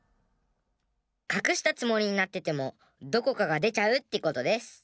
かくしたつもりになっててもどこかがでちゃうってことデス。